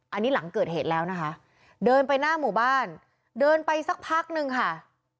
อันนี้หลังเกิดเหตุแล้วนะคะเดินไปหน้าหมู่บ้านเดินไปสักพักนึงค่ะ